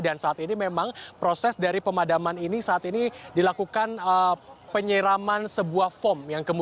dan saat ini memang proses dari pemadaman ini saat ini dilakukan penyeraman sebuah foam